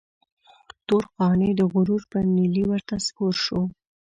تور قانع د غرور پر نيلي ورته سپور شو.